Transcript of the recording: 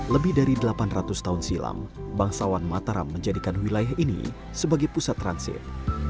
lebih dari delapan ratus tahun silam bangsawan mataram menjadikan wilayah ini sebagai pusat transit